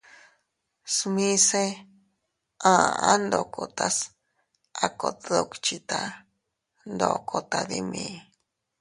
Smise a aʼa ndokotas a kot duckhita ndoko tadimi.